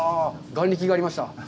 眼力がありました。